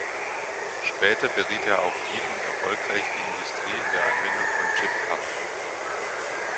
Später beriet er auch viel und erfolgreich die Industrie in der Anwendung von Chipkarten.